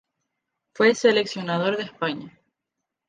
Fue seleccionador de España.